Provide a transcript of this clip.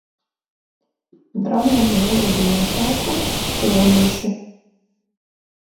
Droniem mīlīgi nosaukumi. Šķūnīši.